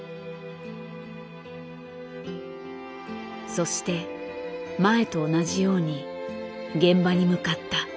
そして前と同じように現場に向かった。